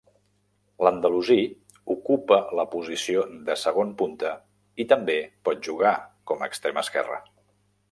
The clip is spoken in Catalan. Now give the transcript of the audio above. L'andalusí ocupa la posició de segon punta i també pot jugar com extrem esquerre.